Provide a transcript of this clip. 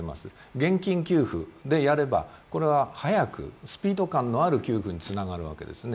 現金給付でやれば、これは早くスピード感のある給付につながるわけですね。